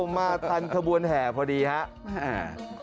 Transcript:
มาทันขบวนแห่พอดีครับ